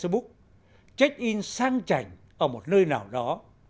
tôi sẽ up hình facebook check in sang trành ở một nơi nào đó